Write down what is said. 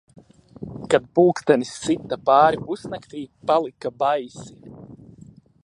Kad pulkstenis sita pāri pusnaktij, palika baisi